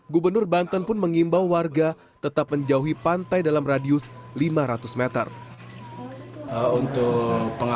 gubernur banten pun mengimbau warga tetap menjauhi pantai dalam radius lima ratus meter